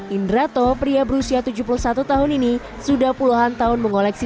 indrato pria berusia tujuh puluh satu tahun ini sudah puluhan tahun mengoleksi